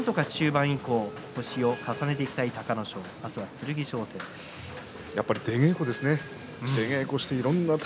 なんとか中盤以降星を重ねていきたいと隆の勝やはり出稽古ですね。